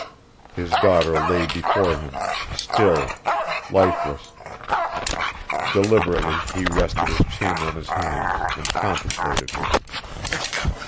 His daughter lay before him, still, lifeless. Deliberately he rested his chin on his hands and contemplated her.